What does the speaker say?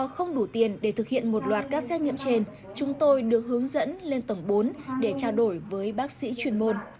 không đủ tiền để thực hiện một loạt các xét nghiệm trên chúng tôi được hướng dẫn lên tầng bốn để trao đổi với bác sĩ chuyên môn